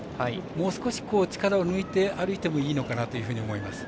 もう少し力を抜いて歩いてもいいのかなというふうに思います。